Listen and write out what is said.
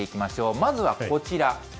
まずはこちら。